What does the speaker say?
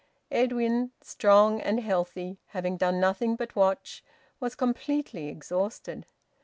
Edwin, strong and healthy, having done nothing but watch, was completely exhausted.